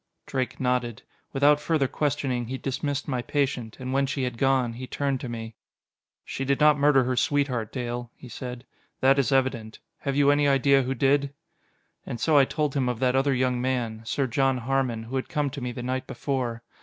Drake nodded. Without further questioning he dismissed my patient; and when she had gone, he turned to me. "She did not murder her sweetheart, Dale" he said. "That is evident. Have you any idea who did?" And so I told him of that other young man. Sir John Harmon, who had come to me the night before.